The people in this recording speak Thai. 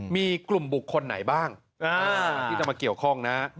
มีกลุ่มบุคคลไหนบ้างที่จะมาเกี่ยวข้องนะ